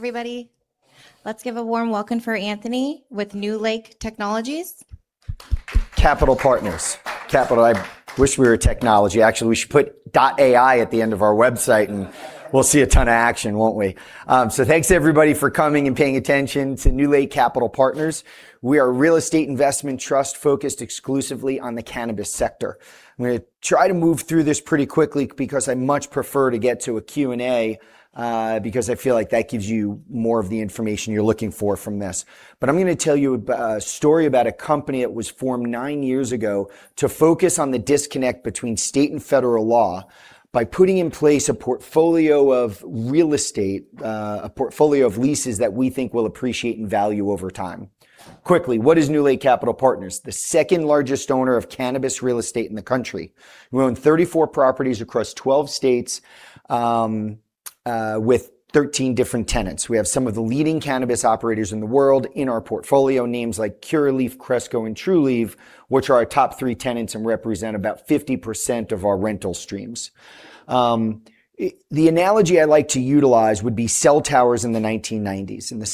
Well, good morning, everybody. Let's give a warm welcome for Anthony with NewLake Technologies. Capital Partners. Capital. I wish we were a technology. Actually, we should put .ai at the end of our website, and we'll see a ton of action, won't we? Thanks everybody for coming and paying attention to NewLake Capital Partners. We are a real estate investment trust focused exclusively on the cannabis sector. I'm going to try to move through this pretty quickly because I much prefer to get to a Q&A, because I feel like that gives you more of the information you're looking for from this. I'm going to tell you a story about a company that was formed nine years ago to focus on the disconnect between state and federal law by putting in place a portfolio of real estate, a portfolio of leases that we think will appreciate in value over time. Quickly, what is NewLake Capital Partners? The second largest owner of cannabis real estate in the country. We own 34 properties across 12 states, with 13 different tenants. We have some of the leading cannabis operators in the world in our portfolio, names like Curaleaf, Cresco, and Trulieve, which are our top three tenants and represent about 50% of our rental streams. The analogy I like to utilize would be cell towers in the 1990s. In the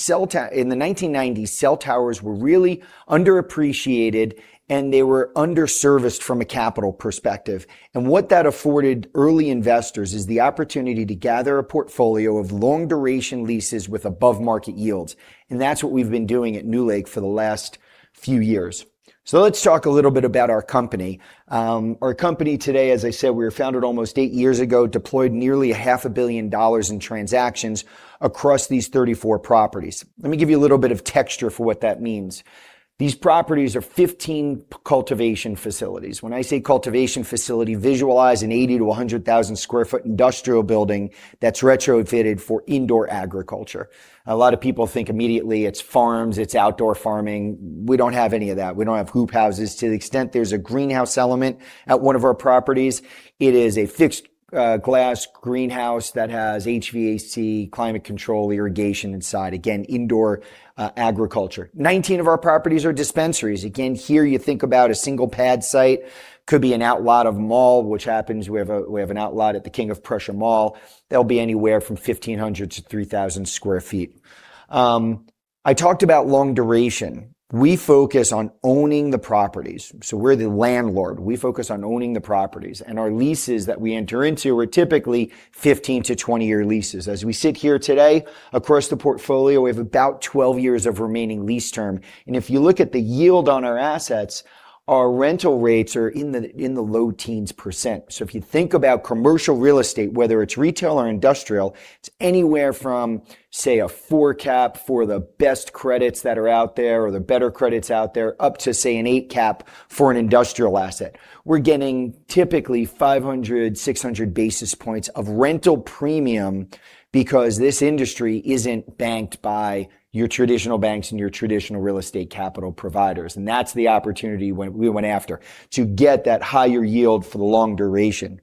1990s, cell towers were really underappreciated, and they were underserviced from a capital perspective. What that afforded early investors is the opportunity to gather a portfolio of long-duration leases with above-market yields, and that's what we've been doing at NewLake for the last few years. Let's talk a little bit about our company. Our company today, as I said, we were founded almost eight years ago, deployed nearly a half a billion dollars in transactions across these 34 properties. Let me give you a little bit of texture for what that means. These properties are 15 cultivation facilities. When I say cultivation facility, visualize an 80,000-100,000 square foot industrial building that's retrofitted for indoor agriculture. A lot of people think immediately it's farms, it's outdoor farming. We don't have any of that. We don't have hoop houses. To the extent there's a greenhouse element at one of our properties, it is a fixed glass greenhouse that has HVAC, climate control, irrigation inside. Again, indoor agriculture. 19 of our properties are dispensaries. Again, here you think about a single-pad site. Could be an outlot of a mall, which happens, we have an outlot at the King of Prussia Mall. They'll be anywhere from 1,500-3,000 square feet. I talked about long duration. We focus on owning the properties. We're the landlord. We focus on owning the properties, our leases that we enter into are typically 15-20-year leases. As we sit here today, across the portfolio, we have about 12 years of remaining lease term. If you look at the yield on our assets, our rental rates are in the low teens%. If you think about commercial real estate, whether it's retail or industrial, it's anywhere from, say, a 4 cap for the best credits that are out there or the better credits out there, up to, say, an 8 cap for an industrial asset. We're getting typically 500, 600 basis points of rental premium because this industry isn't banked by your traditional banks and your traditional real estate capital providers, that's the opportunity we went after to get that higher yield for the long duration.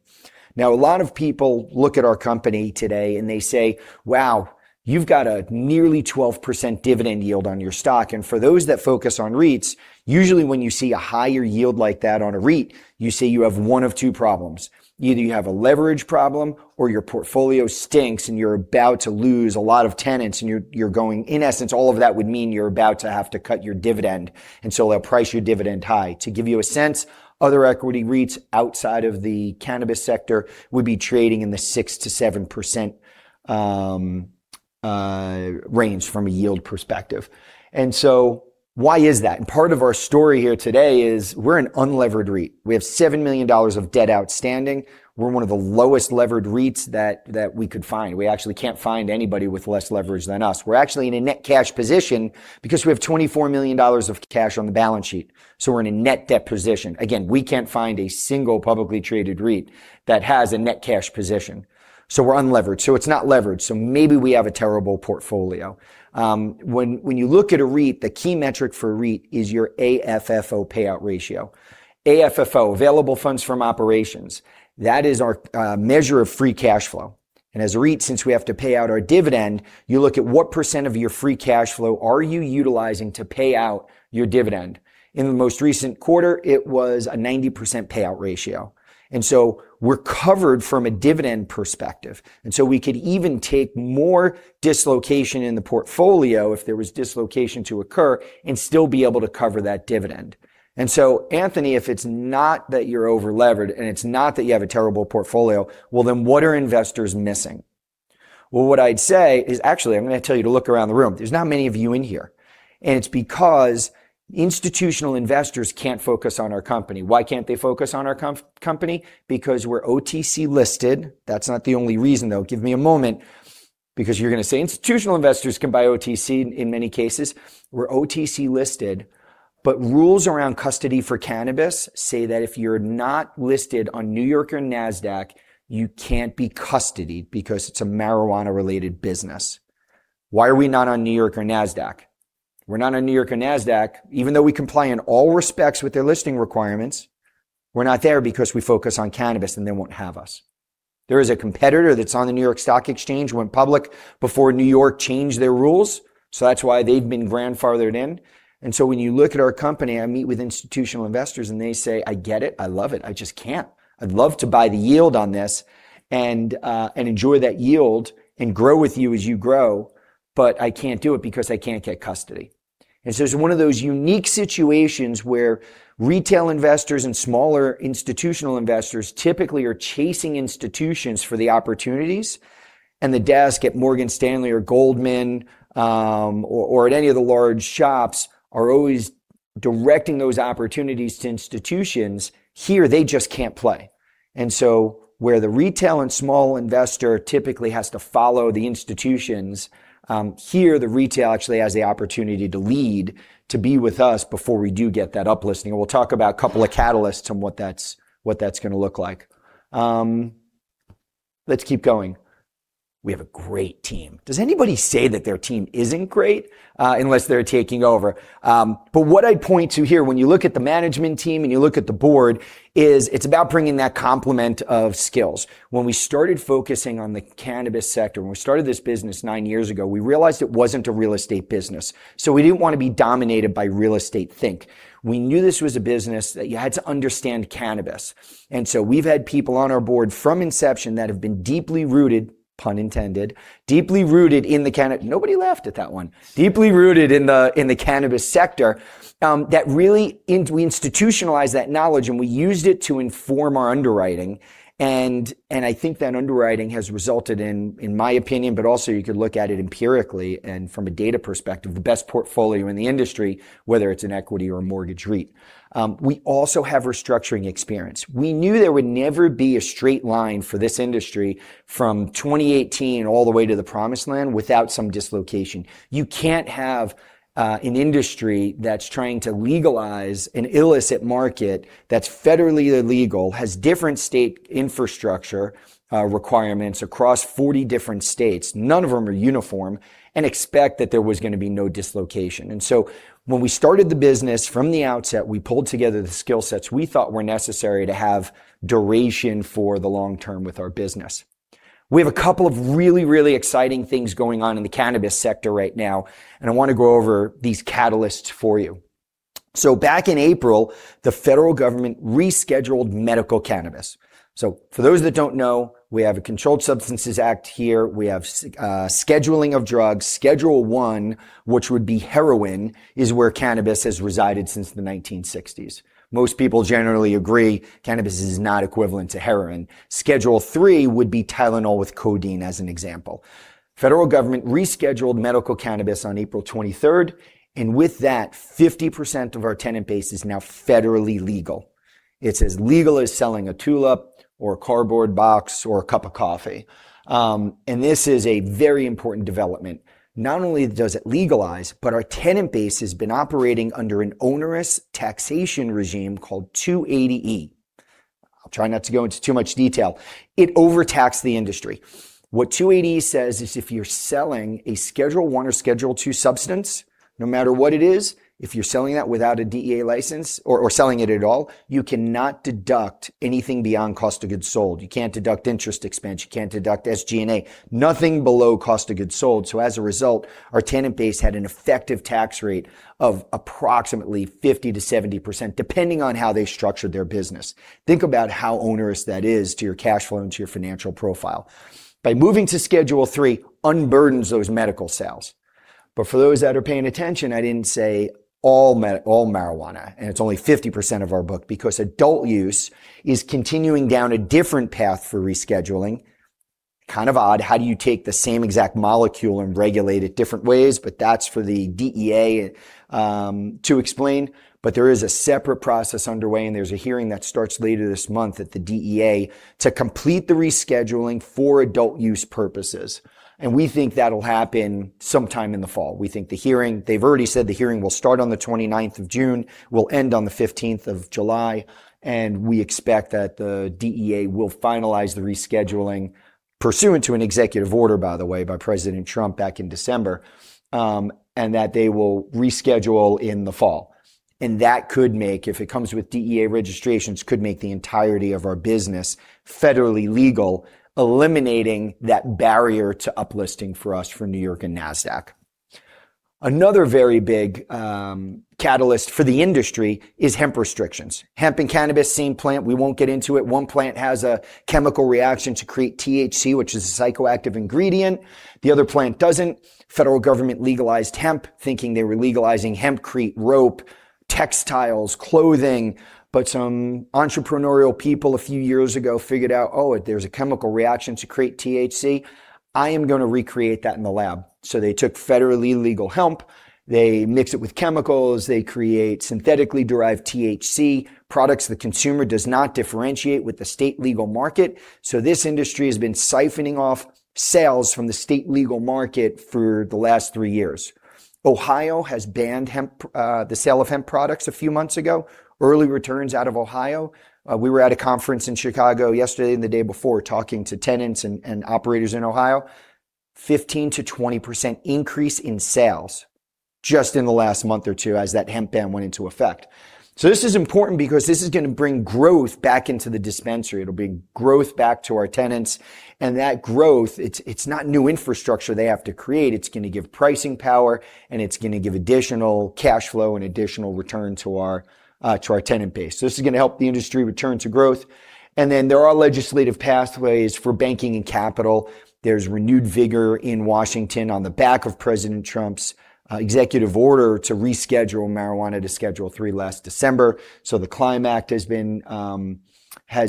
A lot of people look at our company today and they say, "Wow, you've got a nearly 12% dividend yield on your stock." For those that focus on REITs, usually when you see a higher yield like that on a REIT, you see you have one of two problems. Either you have a leverage problem or your portfolio stinks and you're about to lose a lot of tenants, in essence, all of that would mean you're about to have to cut your dividend, they'll price your dividend high. To give you a sense, other equity REITs outside of the cannabis sector would be trading in the 6%-7% range from a yield perspective. Why is that? Part of our story here today is we're an unlevered REIT. We have $7 million of debt outstanding. We're one of the lowest levered REITs that we could find. We actually can't find anybody with less leverage than us. We're actually in a net cash position because we have $24 million of cash on the balance sheet, we're in a net debt position. Again, we can't find a single publicly traded REIT that has a net cash position. We're unlevered. It's not leveraged, so maybe we have a terrible portfolio. When you look at a REIT, the key metric for a REIT is your AFFO payout ratio. AFFO, available funds from operations. That is our measure of free cash flow. As a REIT, since we have to pay out our dividend, you look at what % of your free cash flow are you utilizing to pay out your dividend. In the most recent quarter, it was a 90% payout ratio. We're covered from a dividend perspective. We could even take more dislocation in the portfolio if there was dislocation to occur and still be able to cover that dividend. Anthony, if it's not that you're over-levered and it's not that you have a terrible portfolio, what are investors missing? What I'd say is, actually, I'm going to tell you to look around the room. There's not many of you in here, and it's because institutional investors can't focus on our company. Why can't they focus on our company? Because we're OTC listed. That's not the only reason, though. Give me a moment, because you're going to say institutional investors can buy OTC in many cases. We're OTC listed, but rules around custody for cannabis say that if you're not listed on New York or Nasdaq, you can't be custodied because it's a marijuana-related business. Why are we not on New York or Nasdaq? We're not on New York or Nasdaq, even though we comply in all respects with their listing requirements, we're not there because we focus on cannabis, and they won't have us. There is a competitor that's on the New York Stock Exchange, went public before New York changed their rules, so that's why they've been grandfathered in. When you look at our company, I meet with institutional investors, and they say, "I get it. I love it. I just can't. I'd love to buy the yield on this and enjoy that yield and grow with you as you grow, but I can't do it because I can't get custody." It's one of those unique situations where retail investors and smaller institutional investors typically are chasing institutions for the opportunities, and the desk at Morgan Stanley or Goldman, or at any of the large shops, are always directing those opportunities to institutions. Here, they just can't play. Where the retail and small investor typically has to follow the institutions, here, the retail actually has the opportunity to lead to be with us before we do get that up-listing. We'll talk about a couple of catalysts on what that's going to look like. Let's keep going. We have a great team. Does anybody say that their team isn't great, unless they're taking over? What I'd point to here, when you look at the management team and you look at the board, is it's about bringing that complement of skills. When we started focusing on the cannabis sector, when we started this business nine years ago, we realized it wasn't a real estate business. We didn't want to be dominated by real estate think. We knew this was a business that you had to understand cannabis. We've had people on our board from inception that have been deeply rooted, pun intended. Nobody laughed at that one. Deeply rooted in the cannabis sector. We institutionalized that knowledge, we used it to inform our underwriting, and I think that underwriting has resulted in my opinion, but also you could look at it empirically and from a data perspective, the best portfolio in the industry, whether it's in equity or mortgage REIT. We also have restructuring experience. We knew there would never be a straight line for this industry from 2018 all the way to the Promised Land without some dislocation. You can't have an industry that's trying to legalize an illicit market that's federally illegal, has different state infrastructure requirements across 40 different states, none of them are uniform, and expect that there was going to be no dislocation. When we started the business from the outset, we pulled together the skillsets we thought were necessary to have duration for the long term with our business. We have a couple of really, really exciting things going on in the cannabis sector right now, I want to go over these catalysts for you. Back in April, the federal government rescheduled medical cannabis. For those that don't know, we have a Controlled Substances Act here. We have scheduling of drugs. Schedule 1, which would be heroin, is where cannabis has resided since the 1960s. Most people generally agree cannabis is not equivalent to heroin. Schedule 3 would be Tylenol with codeine, as an example. Federal government rescheduled medical cannabis on April 23rd, and with that, 50% of our tenant base is now federally legal. It's as legal as selling a tulip or a cardboard box or a cup of coffee. This is a very important development. Not only does it legalize, our tenant base has been operating under an onerous taxation regime called 280E. I'll try not to go into too much detail. It overtaxed the industry. What 280E says is if you're selling a Schedule 1 or Schedule 2 substance, no matter what it is, if you're selling that without a DEA license or selling it at all, you cannot deduct anything beyond cost of goods sold. You can't deduct interest expense. You can't deduct SG&A. Nothing below cost of goods sold. As a result, our tenant base had an effective tax rate of approximately 50%-70%, depending on how they structured their business. Think about how onerous that is to your cash flow and to your financial profile. By moving to Schedule 3, unburdens those medical sales. For those that are paying attention, I didn't say all marijuana, it's only 50% of our book because adult use is continuing down a different path for rescheduling. Kind of odd. How do you take the same exact molecule and regulate it different ways? That's for the DEA to explain. There is a separate process underway, there's a hearing that starts later this month at the DEA to complete the rescheduling for adult use purposes. We think that'll happen sometime in the fall. They've already said the hearing will start on the 29th of June, will end on the 15th of July, we expect that the DEA will finalize the rescheduling, pursuant to an executive order, by the way, by President Trump back in December, that they will reschedule in the fall. That could make, if it comes with DEA registrations, could make the entirety of our business federally legal, eliminating that barrier to up-listing for us for New York and Nasdaq. Another very big catalyst for the industry is hemp restrictions. Hemp and cannabis, same plant. We won't get into it. One plant has a chemical reaction to create THC, which is a psychoactive ingredient. The other plant doesn't. Federal government legalized hemp, thinking they were legalizing hemp to create rope, textiles, clothing, but some entrepreneurial people a few years ago figured out, "Oh, there's a chemical reaction to create THC. I am going to recreate that in the lab." They took federally legal hemp. They mixed it with chemicals. They create synthetically derived THC products the consumer does not differentiate with the state legal market. This industry has been siphoning off sales from the state legal market for the last three years. Ohio has banned the sale of hemp products a few months ago. Early returns out of Ohio. We were at a conference in Chicago yesterday and the day before talking to tenants and operators in Ohio. 15%-20% increase in sales just in the last month or two as that hemp ban went into effect. This is important because this is going to bring growth back into the dispensary. It'll bring growth back to our tenants, and that growth, it's not new infrastructure they have to create. It's going to give pricing power and it's going to give additional cash flow and additional return to our tenant base. This is going to help the industry return to growth. There are legislative pathways for banking and capital. There's renewed vigor in Washington on the back of President Trump's executive order to reschedule marijuana to Schedule III last December. The CLIMB Act has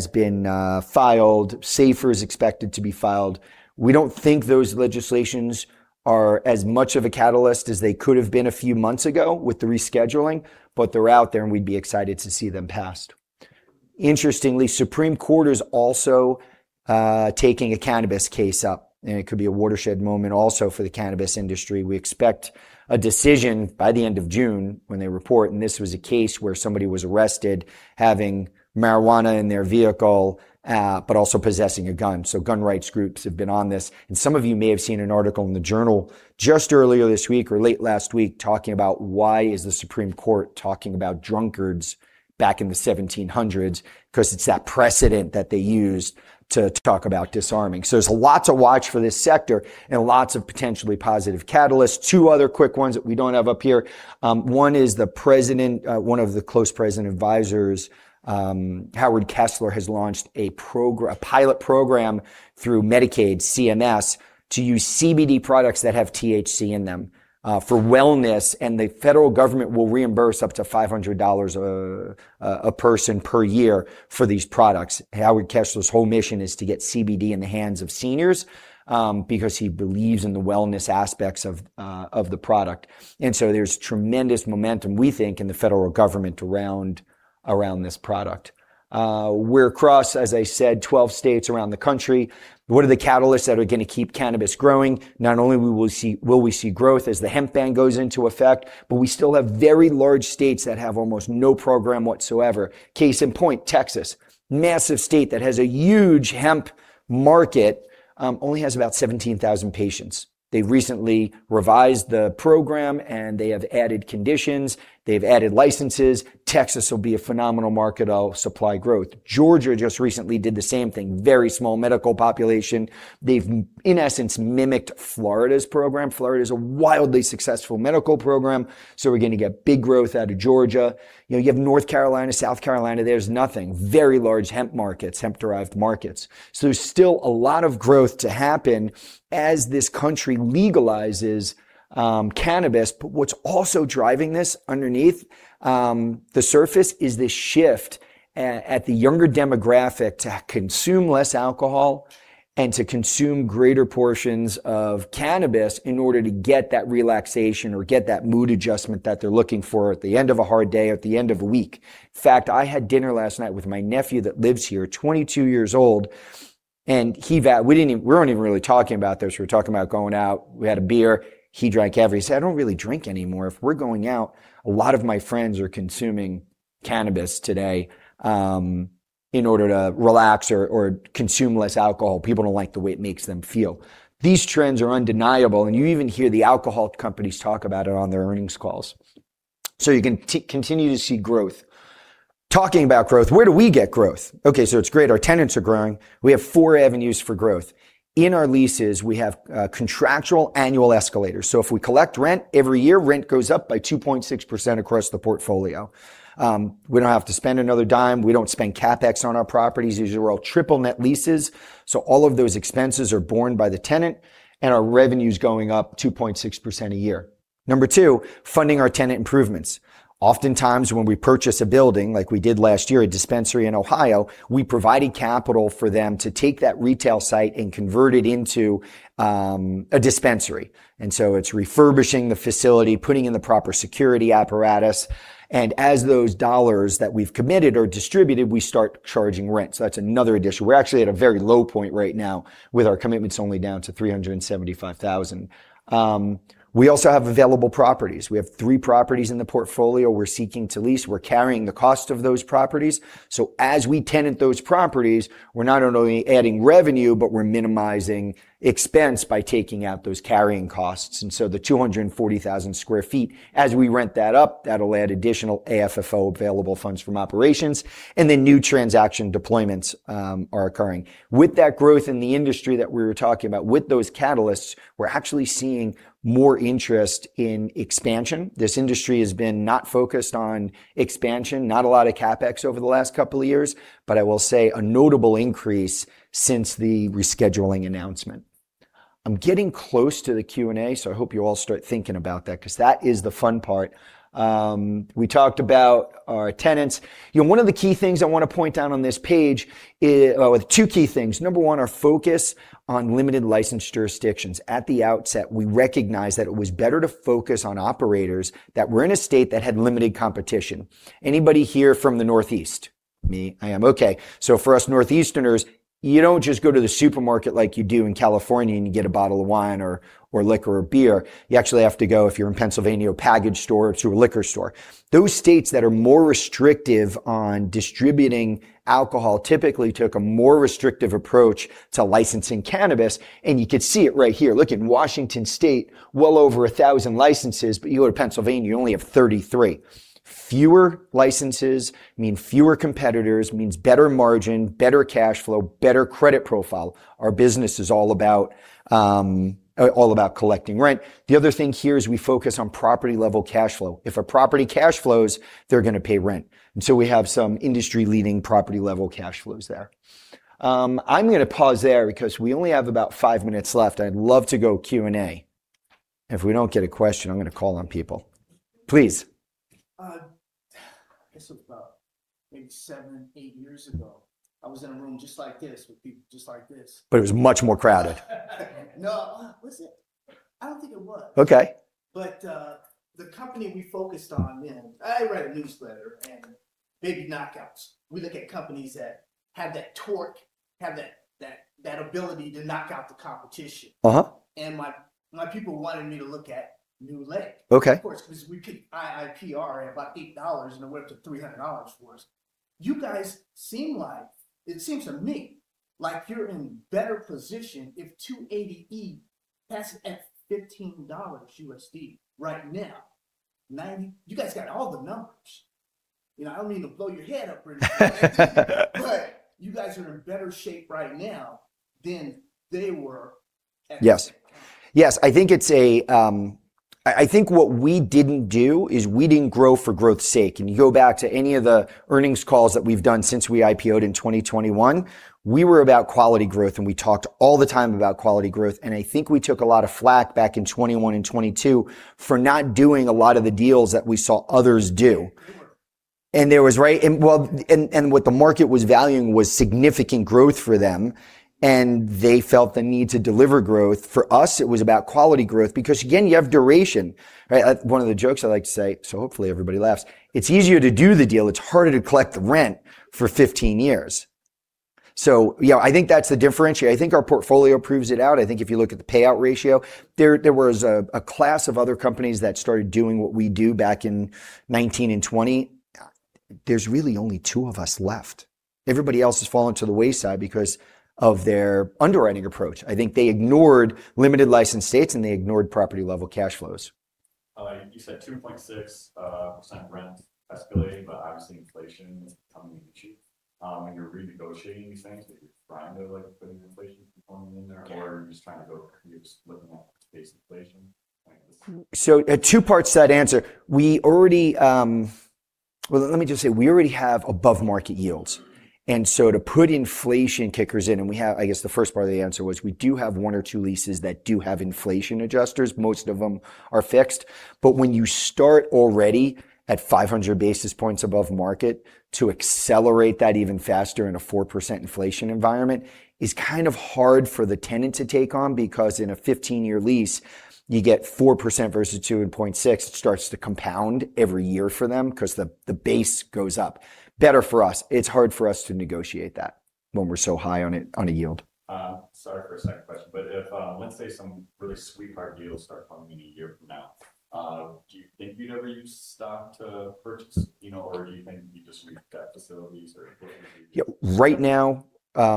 been filed. SAFER is expected to be filed. We don't think those legislations are as much of a catalyst as they could have been a few months ago with the rescheduling, but they're out there, and we'd be excited to see them passed. Interestingly, Supreme Court is also taking a cannabis case up, and it could be a watershed moment also for the cannabis industry. We expect a decision by the end of June when they report, and this was a case where somebody was arrested having marijuana in their vehicle, but also possessing a gun. Gun rights groups have been on this, and some of you may have seen an article in the Journal just earlier this week or late last week talking about why is the Supreme Court talking about drunkards back in the 1700s, because it's that precedent that they use to talk about disarming. There's lots to watch for this sector and lots of potentially positive catalysts. Two other quick ones that we don't have up here. One is one of the close presidential advisors, Howard Kessler, has launched a pilot program through Medicaid CMS to use CBD products that have THC in them for wellness, and the federal government will reimburse up to $500 a person per year for these products. Howard Kessler's whole mission is to get CBD in the hands of seniors because he believes in the wellness aspects of the product. There's tremendous momentum, we think, in the federal government around this product. We're across, as I said, 12 states around the country. What are the catalysts that are going to keep cannabis growing? Not only will we see growth as the hemp ban goes into effect, but we still have very large states that have almost no program whatsoever. Case in point, Texas. Massive state that has a huge hemp market, only has about 17,000 patients. They've recently revised the program, and they have added conditions. They've added licenses. Texas will be a phenomenal market of supply growth. Georgia just recently did the same thing. Very small medical population. They've, in essence, mimicked Florida's program. Florida is a wildly successful medical program. We're going to get big growth out of Georgia. You have North Carolina, South Carolina. There's nothing. Very large hemp markets, hemp-derived markets. There's still a lot of growth to happen as this country legalizes cannabis. What's also driving this underneath the surface is this shift at the younger demographic to consume less alcohol and to consume greater portions of cannabis in order to get that relaxation or get that mood adjustment that they're looking for at the end of a hard day or at the end of a week. In fact, I had dinner last night with my nephew that lives here, 22 years old, and we weren't even really talking about this. We were talking about going out. We had a beer. He said, "I don't really drink anymore. If we're going out, a lot of my friends are consuming cannabis today in order to relax or consume less alcohol." People don't like the way it makes them feel. These trends are undeniable, and you even hear the alcohol companies talk about it on their earnings calls. You can continue to see growth. Talking about growth, where do we get growth? It's great. Our tenants are growing. We have four avenues for growth. In our leases, we have contractual annual escalators. If we collect rent, every year rent goes up by 2.6% across the portfolio. We don't have to spend another dime. We don't spend CapEx on our properties. These are all triple net leases. All of those expenses are borne by the tenant, and our revenue is going up 2.6% a year. Number 2, funding our tenant improvements. Oftentimes, when we purchase a building, like we did last year, a dispensary in Ohio, we provided capital for them to take that retail site and convert it into a dispensary. It's refurbishing the facility, putting in the proper security apparatus, and as those dollars that we've committed are distributed, we start charging rent. That's another addition. We're actually at a very low point right now with our commitments only down to $375,000. We also have available properties. We have three properties in the portfolio we're seeking to lease. We're carrying the cost of those properties. As we tenant those properties, we're not only adding revenue, but we're minimizing expense by taking out those carrying costs. The 240,000 sq ft, as we rent that up, that'll add additional AFFO, available funds from operations, and then new transaction deployments are occurring. With that growth in the industry that we were talking about, with those catalysts, we're actually seeing more interest in expansion. This industry has been not focused on expansion, not a lot of CapEx over the last couple of years, but I will say a notable increase since the rescheduling announcement. I am getting close to the Q&A. I hope you all start thinking about that because that is the fun part. We talked about our tenants. One of the key things I want to point out on this page, well, two key things. Number one, our focus on limited license jurisdictions. At the outset, we recognized that it was better to focus on operators that were in a state that had limited competition. Anybody here from the Northeast? Me, I am. Okay. For us Northeasterners, you don't just go to the supermarket like you do in California and you get a bottle of wine or liquor or beer. You actually have to go, if you're in Pennsylvania, a package store to a liquor store. Those states that are more restrictive on distributing alcohol typically took a more restrictive approach to licensing cannabis, and you could see it right here. Look at Washington State, well over 1,000 licenses, but you go to Pennsylvania, you only have 33. Fewer licenses mean fewer competitors, means better margin, better cash flow, better credit profile. Our business is all about collecting rent. The other thing here is we focus on property-level cash flow. If a property cash flows, they are going to pay rent. We have some industry-leading property-level cash flows there. I am going to pause there because we only have about five minutes left. I would love to go Q&A. If we don't get a question, I am going to call on people. Please. This was about maybe seven, eight years ago. I was in a room just like this with people just like this. It was much more crowded. No. Was it? I don't think it was. Okay. The company we focused on then, I read a newsletter, big knockouts. We look at companies that have that torque, have that ability to knock out the competition. My people wanted me to look at NewLake. Okay. Of course, because we could IPO at about $8 and it went up to $300 for us. You guys, it seems to me like you're in better position if 280E that's at $15 USD right now. 90. You guys got all the numbers. I don't mean to blow your head up or anything. You guys are in better shape right now than they were. Yes. I think what we didn't do is we didn't grow for growth's sake. You go back to any of the earnings calls that we've done since we IPO'd in 2021, we were about quality growth, and we talked all the time about quality growth. I think we took a lot of flak back in 2021 and 2022 for not doing a lot of the deals that we saw others do. They were. What the market was valuing was significant growth for them, and they felt the need to deliver growth. For us, it was about quality growth. Again, you have duration, right? One of the jokes I like to say, so hopefully everybody laughs, it's easier to do the deal, it's harder to collect the rent for 15 years. I think that's the differentiator. I think our portfolio proves it out. I think if you look at the payout ratio, there was a class of other companies that started doing what we do back in 2019 and 2020. There's really only two of us left. Everybody else has fallen to the wayside because of their underwriting approach. I think they ignored limited license states, and they ignored property-level cash flows. You said 2.6% rent escalating, obviously inflation is becoming an issue. When you're renegotiating these things, are you trying to put inflation component in there- Yeah or are you just letting that face inflation? Two parts to that answer. Let me just say, we already have above-market yields. To put inflation kickers in, I guess the first part of the answer was we do have one or two leases that do have inflation adjusters. Most of them are fixed. When you start already at 500 basis points above market, to accelerate that even faster in a 4% inflation environment is kind of hard for the tenant to take on because in a 15-year lease, you get 4% versus 2.6. It starts to compound every year for them because the base goes up. Better for us. It's hard for us to negotiate that when we're so high on a yield. Sorry for a second question, if, let's say some really sweetheart deals start coming in one year from now, do you think you'd ever use stock to purchase? Do you think you'd just use debt facilities or a combination? Right now,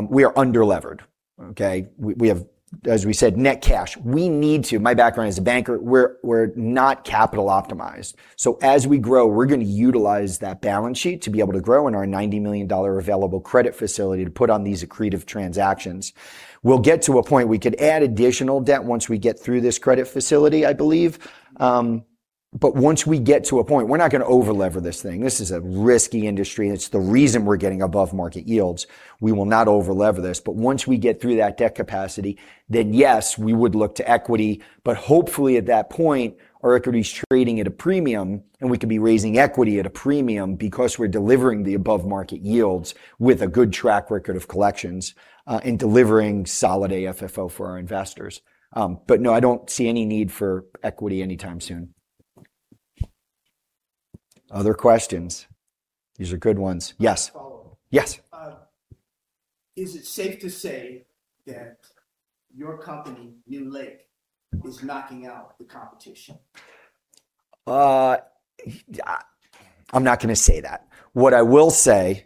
we are under-levered. Okay? We have, as we said, net cash. My background as a banker, we're not capital optimized. As we grow, we're going to utilize that balance sheet to be able to grow and our $90 million available credit facility to put on these accretive transactions. We'll get to a point we could add additional debt once we get through this credit facility, I believe. Once we get to a point, we're not going to over-lever this thing. This is a risky industry, and it's the reason we're getting above-market yields. We will not over-lever this. Once we get through that debt capacity, then yes, we would look to equity. Hopefully at that point, our equity's trading at a premium, we can be raising equity at a premium because we're delivering the above-market yields with a good track record of collections, delivering solid AFFO for our investors. No, I don't see any need for equity anytime soon. Other questions? These are good ones. Yes. Follow-up. Yes. Is it safe to say that your company, NewLake, is knocking out the competition? I'm not going to say that. What I will say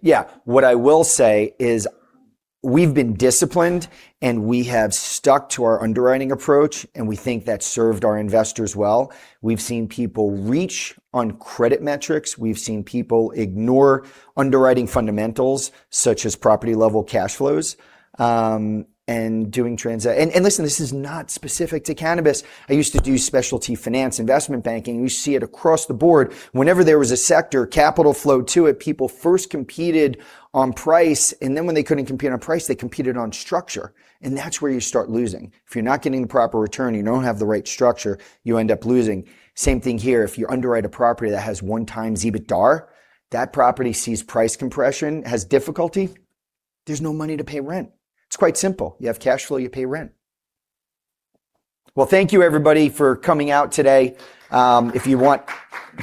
is we've been disciplined, we have stuck to our underwriting approach, we think that's served our investors well. We've seen people reach on credit metrics. We've seen people ignore underwriting fundamentals, such as property-level cash flows, doing. Listen, this is not specific to cannabis. I used to do specialty finance investment banking. We see it across the board. Whenever there was a sector, capital flow to it, people first competed on price, then when they couldn't compete on price, they competed on structure. That's where you start losing. If you're not getting the proper return, you don't have the right structure, you end up losing. Same thing here. If you underwrite a property that has one times EBITDA, that property sees price compression, has difficulty. There's no money to pay rent. It's quite simple. You have cash flow, you pay rent. Well, thank you everybody for coming out today. If you want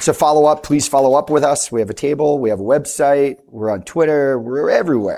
to follow up, please follow up with us. We have a table. We have a website. We're on Twitter. We're everywhere.